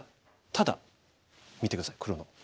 ただ見て下さい黒の。